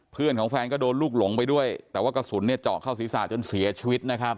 เพื่อนของแฟนก็โดนลูกหลงไปด้วยแต่ว่ากระสุนเนี่ยเจาะเข้าศีรษะจนเสียชีวิตนะครับ